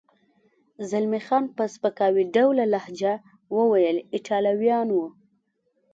زلمی خان په سپکاوي ډوله لهجه وویل: ایټالویان و.